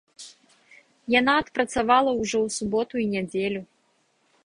Яна адпрацавала ўжо ў суботу і нядзелю.